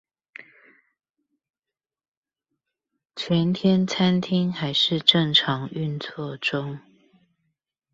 前天餐廳還是正常運作中